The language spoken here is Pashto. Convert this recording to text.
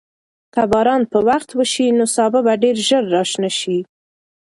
که باران په وخت وشي، نو سابه به ډېر ژر راشنه شي.